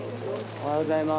おはようございます。